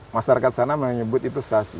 masyarakat sana menyebut itu sasi